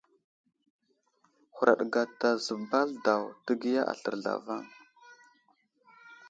Huraɗ gata zəbal daw ,təgiya aslər zlavaŋ.